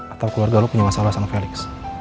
atau keluarga lo punya masalah sama felix